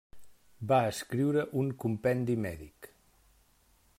Va escriure un compendi mèdic.